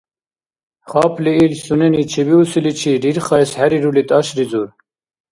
Хапли ил, сунени чебиусиличи рирхаэс хӀерирули, тӀашризур.